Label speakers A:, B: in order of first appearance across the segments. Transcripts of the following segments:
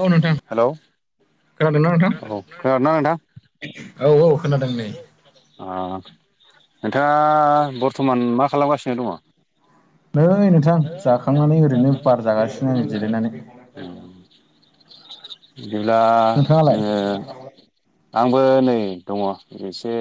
A: औ नोंथां
B: हेलौ औ
A: खोनादों ना नोंथां
B: खोनादोंना नोंथां
A: औ-औ खोनादों नै
B: अ नोंथाङा बर्थ'मान मा खालामगासिनो दङ
A: नै नोंथां जाखांनानै ओरैनो बार जागासिनो नै जिरायनानै
B: बिदिब्ला
A: नोंथाङालाय
B: जोङो आंबो नै दङ एसे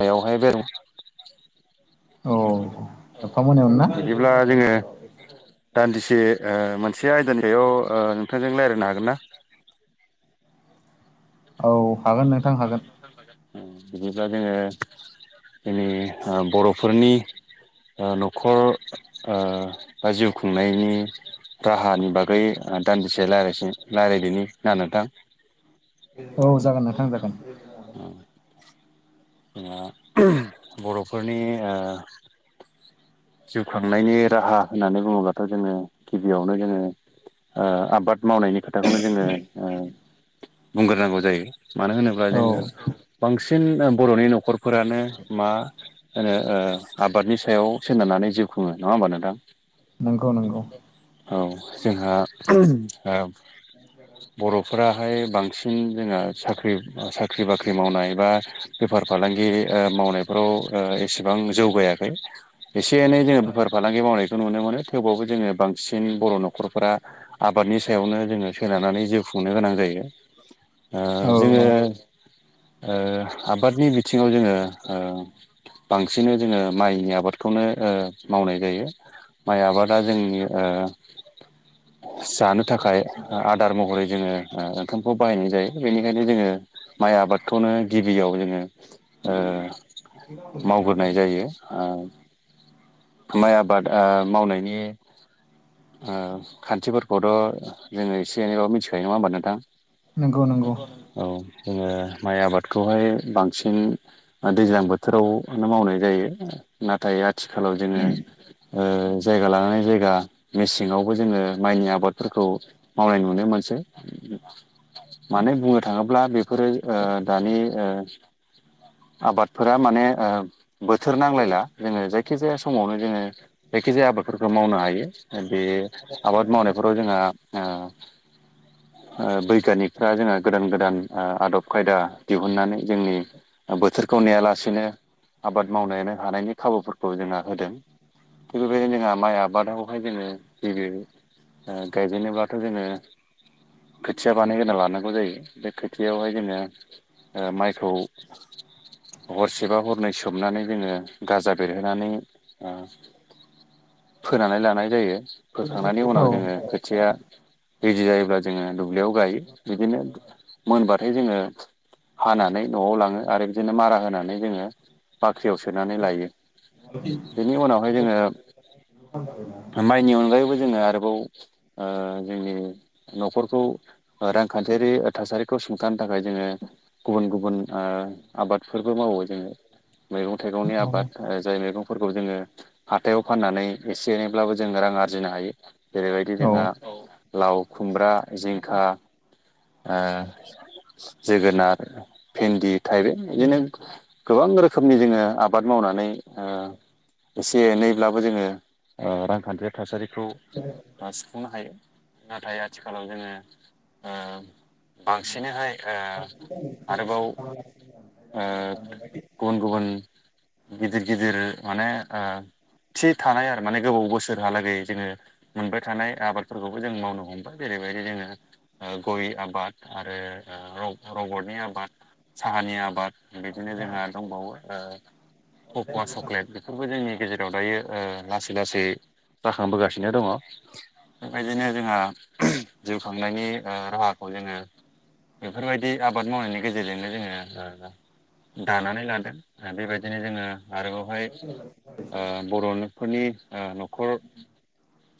B: [unintelligible] यावहाय बे [unintelligible]
A: औ एफा मोनायावनो ना
B: बिदिब्ला जोङो दान्दिसे मोनसे आयदानि सायाव नोंथांजों रायज्लायनो हागोन ना
A: औ हागोन
B: ओ
A: नोंथां
B: हागोन नोंथां हागोन बिदिब्ला जोङो जोंनि बर'फोरनि न'खर बा जिउ खुंनायनि राहानि बागै दान्दिसे राय रायलायदोनि ना नोंथां
A: औ जागोन नोंथां जागोन
B: जोंहा बर'फोरनि आ जिउ खांनायनि राहा होननानै बुङोब्लाथ' जोङो गिबियावनो जोङो आबाद मावनायनि खोथाखौनो जोङो बुंग्रोनांगौ जायो मानो होनोब्ला
A: औ
B: जोङो बांसिन बर'नि न'खरफोरानो मा होनो आबादनि सायाव सोनारनानै जिउ खुङो नङा होमबा नोंथां
A: नंगौ नंगौ
B: औ जोंहा बर'फोराहाय बांसिन जोंङो साख्रि साख्रि बाख्रि मावनाय बा बेफार फालांगि मावनाय फोराव एसेबां जौगायाखै एसे एनै जोङो बेफार फालांगि मावनाय खौ नुनो मोनो थेवबाबबो जोङो बांसिन बर' न'खरफोरा आबादनि सायावनो जोङो सोनारनानै जिउ खुंनो गोनां जायो ओ
A: औ
B: जोङो
A: औ
B: ओ आबादनि बि थिङाव जोङो ओ बांसिनै जोङो माइनि आबाद खौनो ओ मावनाय जायो माइ आबादा जोंनि ओ जानो थाखाय आदार महरै जोङो ओंखामखौ बाहायनाय जायो बेनिखायनो जोङो माइ आबादखौनो गिबियाव जोङो ओ मावगोरनाय जायो ओ माइ आबाद ओ मावनायनि ओ खान्थिफोरखौथ' जोङो एसे एनैबाबो मिथिखायो नङा होमबा नोंथां
A: नंगौ नंगौ
B: औ जोङो माइ आबादखौहाय बांसिन दैज्लां बोथोरावनो मावनाय जायो नाथाय आथिखालाव जोङो ओ जायगा लानानै जायगा मेसेङावबो जोङो माइनि आबादफोरखौ मावनाय नुनो मोनसै माने बुंनो थाङोब्ला बेफोरो ओ दानि ओ आबादफोरा माने ओ बोथोर नांलायला जोङो जाय खिजाया समावनो जोङो जायखिजाया आबादफोरखौ मावनो हायो बे आबाद मावनायफोराव जोंहा ओ बैग्यानिक दा जोहा गोदान गोदान ओ आदब खायदा दिहुननानै जोंनि बोथोर खौ नेयालासेनो आबाद मावनायानो हानायनि खाबुफोरखौ जोंना होदों थिग बेबायदिनो जोंहा माइ आबादावहाय जोङो [unintelligible] ओ गायजेनोबाथ' जोङो खोथिया बानायग्रोना लानांगौ जायो बे खोथियावहाय जोङो ओ माइखौ हरसेबा हरनै सोमनानै जोङो गाजा बेरहोनानै ओ फोनानै लानाय जायो फोखांनायनि
A: औ
B: उनाव जोङो थिया रेडी जायोब्ला जोङो दुब्लियाव गायो बिदिनो मोनबाथाय जोङो हानानै न'वाव लाङो आरो बिदिनो मारा होनानै जोङो बाख्रियाव सोनानै लायो बेनि उनावहाय जोङो माइनि अनगायैबो जोङो आरोबाव ओ जोंनि नख'रखौ ओ रांखान्थियारि थासारिखौ सुंथानो थाखाय जोङो गुबुन गुबुन ओ आबादफोरबो मावो जोङो मैगं थाइगंनि
A: औ
B: आबाद जाय मैगंफोरखौ जोङो हाथायाव फाननानै एसे एनैब्लाबो जोङो रां आरजिनो हायो जेरैबायदि
A: औ
B: जोंहा लाव खुमब्रा जिंखा ओ जोगोनार भेन्दि थाइबें बिदिनो गोबां रोखोमनि जोङो आबाद मावना नै ओ एसे एनैब्लाबो जोङो ओ रांखान्थि थासारि खौ ओ सुफुंनो हायो नाथाय आथिखालाव जोङो ओ बांसिनैहाय ओ आरोबाव ओ गुबुन गुबुन गिदिर गिदिर माने ओ थि थानाय आरो माने गोबाव बोसोरहालागै जोङो मोनबाय थानाय आबादफोरखौबो जों मावनो हमबाय जेरैबायदि जोङो ओ गय आबाद आरो र रबरनि आबाद साहानि आबाद बेदिनो जोंहा दंबावो ओ कक'वा चक्लेट बेफोरबो जोंनि गेजेराव दायो ओ लासै लासै जाखांबोगासिनो दङ बेबायदिनो जोंहा जिउ खांनायनि ओ राहाखौ जोङो बेफोरबायदि आबाद मावनायनि गेजेरजोंनो जोङो ओ दानानै लादों बेबायदिनो जोङो आरोबावहाय ओ बर'फोरनि ओ नख'र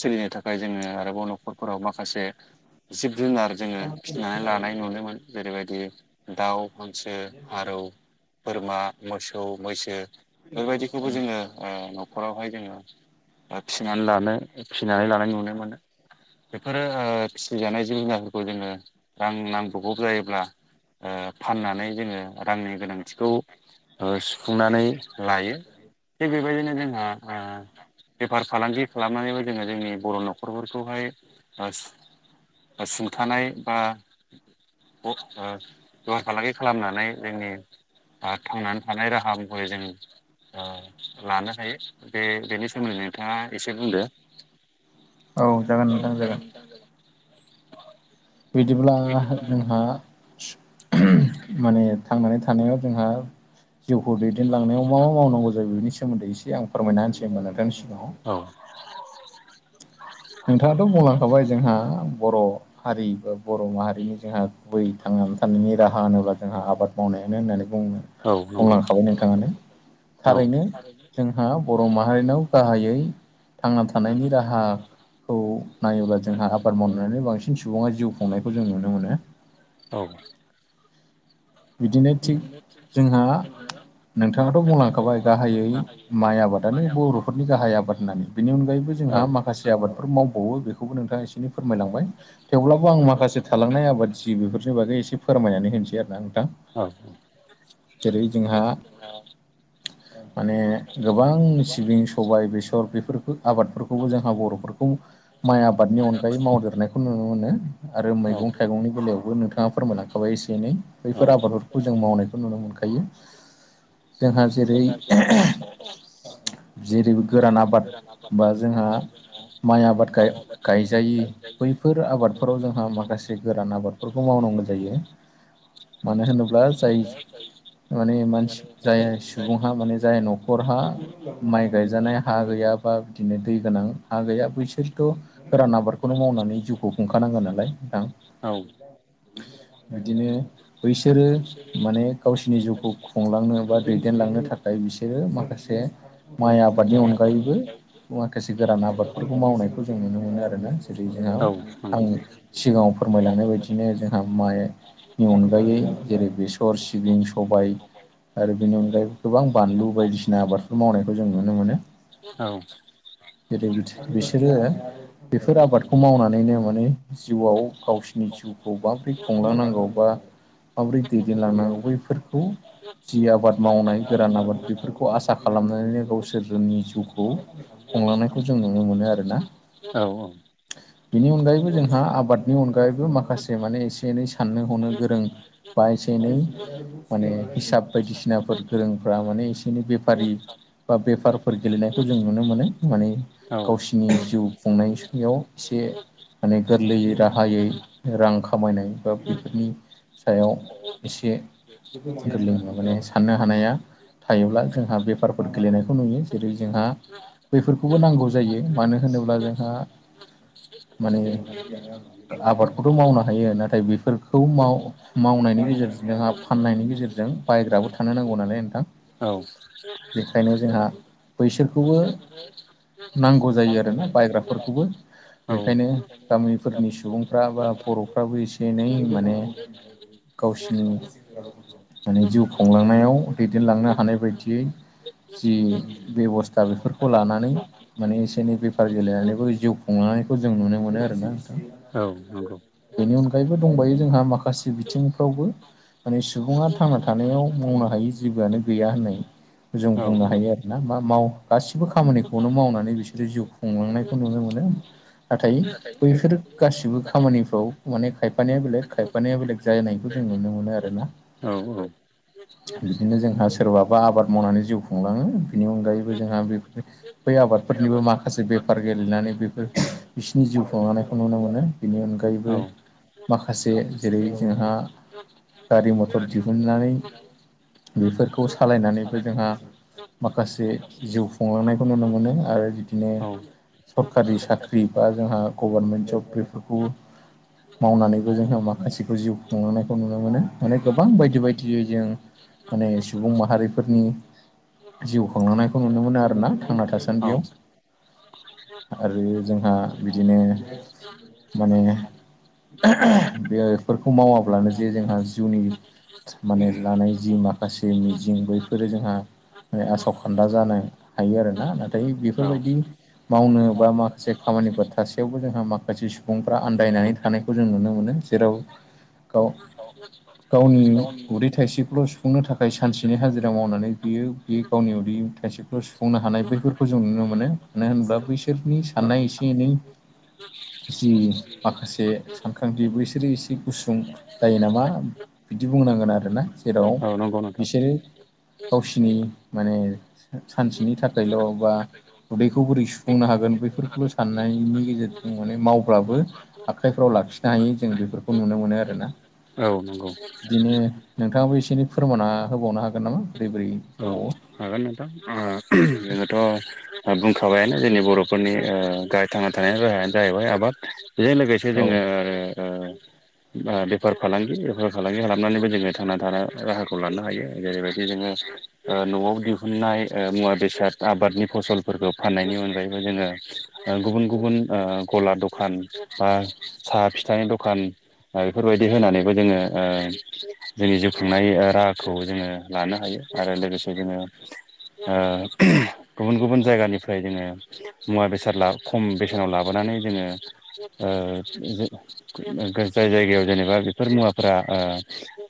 B: सोलिनो थाखाय जोङो आरोबाव नख'रफोराव माखासे जिब जुनार जोङो फिनानै लानाय नुनो‌ मोन जेरै बायदि दाउ हांसो फारौ बोरमा मोसौ मैसो बेबायदिखौबो जोङो ओ नखरावहाय जोङो थिनानै लानो फिसिनानै लानाय नुनो मोनो बेफोरो ओ फिसिजानाय जिब जुनारफोरखौ जोङो रां नांब्रबगौ जायोब्ला ओ फाननानै जोङो रांनि गोनांथिखौ ओ सुफुंनानै लायो थिग बेबायदिनो जोंहा बेफार फालांगि खालामनानैबो जोङो जोंनि बर' नखरफोरखौहाय सुंथानाय बा [unintelligible] बेफार फालांगि खालामनानै जोंनि थांनानै थानाय रा राहाफोरखौहाय जों ओ लानो हायो बे बेनि सोमोन्दै नोंथाङा एसे बुंदो
A: औ जागोन नोंथां जागोन
B: [inaudible]
A: बिदिब्ला जोंहा माने थांनानै थानायाव जोंहा जिउखौ दैदेनलांनायाव मा मा मावनांगौ जायो बेनि सोमोन्दै एसे आं फोरमायना होनसै होनोमा नोंथांनि सिगाङाव
B: [inaudible]
A: नोंथाङाथ' बुंलांखाबाय जोंहा बर' हारि बा बर' माहारिनि जोंहा गुबै थांनानै थानायनि राहा होनोब्ला जोंहा आबाद मावनायानो होननानै बुङो
B: औ नंगौ
A: बुंलांखाबाय नोंथाङानो
B: औ
A: थारैनो जोंहा बर' माहारिनाव गाहायै थांना थानायनि राहा खौ नायोब्ला जोंहा आबाद मावनानै बांसिन सुबुङा जिउ खुंनायखौ जों नुनो मोनो
B: औ
A: बिदिनो थिग जोंहा नोंथाङाथ' बुंलांखाबाय गाहायै माइ आबादानो बर'फोरनि गाहाय आबाद होननानै बेनि अनगायैबो
B: औ
A: जोंहा माखासे आबादफोर मावबावो बेखौबो नोंथाङा एसे फोरमायलां थेवब्लाबो आं माखासे थालांनाय आबाद जि बेफोरनि बागै एसे फोरमायनानै होनसै आरोना आं दा जेरै जोंहा
B: [inaudible]
A: माने गोबां सिबिं सबाय बेसर बेफोरखौ आबादफोरखौबो जोंहा बर'फोरखौ माइ आबादनि अनगायै मावदेरनायखौ बेखौ नुनो मोनो आरो
B: औ
A: मैगं थाइगंनि बेलायावबो नोंथाङा फोरमायलांखाबाय एसे एनै
B: औ
A: बैफोर आबादफोरखौ जों मावनायखौ नुनो मोनखायो जोंहा जेरै जेरै
B: जेरै गोरान आ
A: माइ आबाद
B: [unintelligible] बाद
A: गायजायि बैफोर आबादफोराव जोंहा माखासे गोरान आबादफोरखौ मावनांगौ जायो मानो होनोब्ला जाय माने मानसि जाय सुबुंहा माने जाय न'खरहा माइ गायज जानाय हा गैया बा बिदिनो दै गोनां हा गैया बैसोरथ' गोरान आबादखौनो मावनानै जिउखौ खुंखानांगोन नालाय नोंथां
B: औ
A: बिदिनो बैसोरो माने गावसिोरनि जिउखौ खुंलांनो बा दैदेनलांनो थाखाय बिसोरो माखासे माइ आबादनि अनगायैबो माखासे गोरान आबाद बेफोरखौ मावनायखौ जों नुनो मोनो आरोना जेरै जोंहा
B: औ
A: आं
B: नंगौ
A: सिगाङाव फोरमायलांनाय बदिनो जों माय नि अनगायै जेरै बेसर सिबिं सबाय आरो बेनि अनगायै गोबां बानलु बायदिसिना आबादफोर मावनायखौ जों नुनो मोनो
B: औ
A: गोदो बिसोरो बेफोर आबादखौ मावनानैनो माने जिउआव गावसिनि जिउखौ माब्रै खुंलांनांगौ बा माबोरै दैदेनलांनांगौ बैफोरखौ जि आबाद मावनाय गोरान आबाद बेफोरखौ आसा खालामनानैनो गावसोरनि जिउखौ खुंलांनायखौ जों नुनो मोनो आरो ना
B: औ औ
A: बेनि अनगायैबो जोंहा आबादनि अनगायैबो माखासे माने एसे एनै साननो हनो गोरों बा एसे एनै
B: [inaudible]
A: माने हिसाब बायदिसिनाफोर गोरोंफ्रा माने एसे एनै बेफारि बा बेफारफोर गेलेनायखौ जों नुनो मोनो माने
B: औ
A: गावसिनि जिउ खुंनायाव एसे माने गोरलैयै राहायै रां खामायनाय बा बेफोरनि सायाव एसे गोरलै माने साननो हानाया थायोब्ला जोंहा बेफारफोर गेलेनायखौ नुयो जेरै जोंहा बेैफोरखौबो नांगौ जायो मानो होनोब्ला जोंहा माने आबादखौथ' मावनो हायो नाथाय बेफोर खौ माव मावनायनि गेजेरजों जोंहा फाननायनि गेजेरजों बायग्राबो थानो नांगौ नालाय नोंथां
B: औ
A: बेखायनो जोंहा
B: नांगौ
A: बैसोरखौबो
B: जायो
A: नांगौ जायो आरोना
B: आरो
A: बायग्राफोरखौबो बेखायनो
B: औ
A: गामिफोरनि सुबुंफ्रा बा बर'फ्राबो एसे एनै मा
B: [inaudible]
A: माने जिउ खुंलांनायाव दैदेनलांनो हानाय बायदियै जि बेबस्था बेफोरखौ लानानै माने एसे एनै बेफार गेलेनानैबो जिउ हमनायखौ जों नुनो मोनो आरोना नोंथां
B: औ नंगौ
A: बेनि अनगायैबो दंबायो जोंहा माखा से बिथिंफ्रावबो माने सुबुङा थांना थानायाव मावनो हायि जेबोआनो गैया होननाय जों
B: औ
A: बुंनो हायो आरो ना मा माव गासिबो खामानिखौनो मावनानै बिसोरो जिउ खुंलांनायखौ नुनो मोनो नाथाय बैफोर गासिबो खामानिफ्राव माने खायफानिया बेलेग खायफानिया बेलेग जानायखौ जों नुनो मोनो आरो ना बिदिनो जोंहा सोरबाबा आबाद मावनानै जिउ खुंलाङो बिनि अनगायैबो जोंहा बे बै आबादफोरनिबो माखासे बेफार गेलेनानै बेफोर बिसिनि जिउ खुंनायखौ नुनो मोनो बेनि अनगायैबो माखासे जेरै जोंहा गारि मथर
B: [unintelligible]
A: दिहुननानै बेफोरखौ सालायनानैबो जोंहा
B: [unintelligible]
A: माखासे जिउ खुंलांनायखौ नुनो मोनो आरो बिदिनो सरकारि साख्रि बा जोंहा गभारमेन्ट जब बेफोरखौ मावनानै जोंहा माखासेखौ जिउ खुंलांनायखौ नुनो मोनो माने गोबां बायदि बायदियै जों माने सुबुं माहा रिफोरनि जिउ खुंलांनायखौ नुनो मोनो आरोना थांना
B: औ
A: थासान्दियाव आरो जोंहा बिदिनो माने
B: [unintelligible]
A: बेफोरखौ मावाब्लानो जे जोंहा जिउनि माने लानाय जि मा खासे मिजिं बैफोरो जोंहा मा आसखान्दा जानो हायो आरोना नाथाय
B: औ
A: बेफोरबायदि मावनो बा माखासे खामानिफोर थासेयावबो जोंहा माखासे सुबुंफ्रा आन्दायनानै थानाय खौ जों नुनो मोनो जेराव गाव
B: औ
A: गावनि उदै थाइसेखौल सुफुंनो थाखाय सानसेनि हाजिरा मावनानै बियो बे गावनि उदै थाइसे खौ सुफुंनो हानाय बैफोरखौ जों नुनो मोनो मानो होनोब्ला बैसोरनि साननाय एसे एनै
B: [inaudible]
A: बि बेबो इसोरो एसे गुसुं जायो नामा बिदि बुंनांगोन आरोना जेराव
B: औ नंगौ नोंथां
A: बिसोरो गावसिनि माने सानसेनि थाखायल' बा उदैखौ बोरै सुफुंनो हागोन बेफोरखौल' साननायनि गेजेरजों माने मावब्लाबो आखाइफ्राव लाखिनो हायि जों बेफोरखौ नुनो मोनो आरोना
B: औ नंगौ
A: बिदिनो नोंथाङाबो एसे एनै फोरमायना होबावनो हागोन नामा बोरै बोरै
B: औ
A: जाबावो
B: हागोन नोंथां जोङोथ' बुंखाबायानो जोंनि बर'फोरनि गाहाय थांना थानायनि राहायानो जाहैबाय आबाद बेजों लोगोसे
A: औ
B: जोंङो बेफार फालांगि बेफार फालांगि खालामनानैबो जोङो थांना थानाय राहाखौ लानो हायो जेरैबायदि जोङो नवाव दिहुननाय मुवा बेसाद आबादनि फसलफोरखौ फाननायनि अनगायैबो जोङो गुबुन गुबुन गला द खान बा साहा फिथानि दखान बेफोरबायदि होनानैबो जोङो जोंनि जिउ खुंनाय राहाखौ जोङो लानो हायो आरो लोगोसे जोङो गुबुन गुबुन जायगानिफ्राय जोङो मुवा बेसाद खम बेसेनाव लाबोनानै जोङो जाय जायगायाव जेनेबा बेफोर मुवाफोरा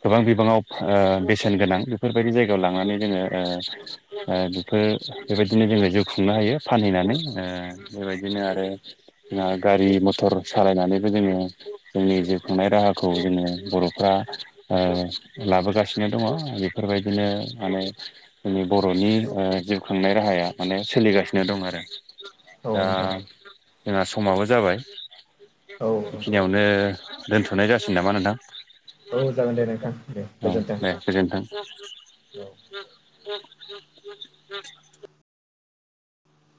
B: गोबां बिबाङाव बेसेन गोनां बेफोरबायदि जायगायाव लांनानै जोङो बेफोर बेबायदिनो जोङो जिउ खुंनो हायो फानहैनानै बेबायदिनो आरो गारि मथर सालायनानैबो जोङो जोंनि जिउ खुंनाय राहाखौ जोङो बर' फ्रा लाबोगासिनो दङ बेफोरबायदिनो माने जोंनि बर'नि जिउ खांनाय राहाया माने सोलिगासिनो दं आरो
A: औ
B: दा
A: नोंथां
B: जोंहा समाबो जाबाय
A: औ
B: बेखिनियाव नो दोन्थ'नाय जासिगोन नामा नोंथां
A: औ जागोन दे नोंथां दे गोजोन्थों
B: गोजोन थों
A: औ